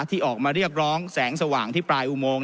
ที่ออกมาเรียกร้องแสงสว่างที่ปลายอุโมง